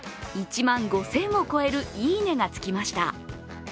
１万５０００を超える「いいね」がつきました。